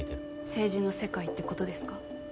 政治の世界ってことですか？